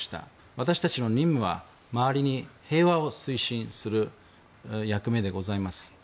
私たちの任務は、周りに平和を推進する役目でございます。